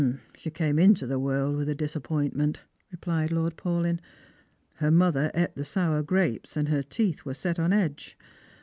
" She came into the world with a disappointment," replied Lord Paulyn. " Her mother ate the sour grapes, and her teeth were set on edge.